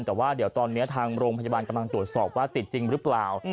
แต่ว่าเดี๋ยวตอนนี้ทางโรงพยาบาลกำลังตรวจสอบว่าติดจริงหรือเปล่า